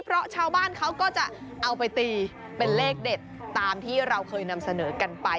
เพราะชาวบ้านเขาก็จะเอาไปตีเป็นเลขเด็ดตามที่เราเคยนำเสนอกันไป